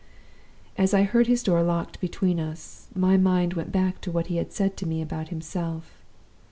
"As I heard his door locked between us, my mind went back to what he had said to me about myself.